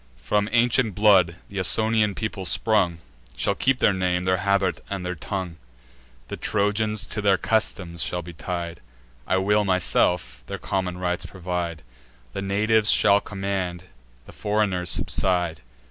From ancient blood th' Ausonian people sprung, Shall keep their name, their habit, and their tongue. The Trojans to their customs shall be tied: I will, myself, their common rites provide; The natives shall command, the foreigners subside.